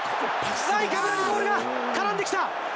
ナイカブラにボールが絡んできた。